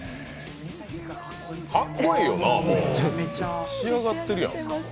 かっこええよな、もう仕上がってるやん。